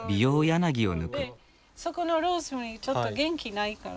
そこのローズマリーちょっと元気ないから。